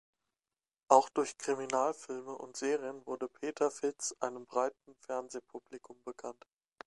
Auch durch Kriminalfilme und Serien wurde Peter Fitz einem breiten Fernsehpublikum bekannt.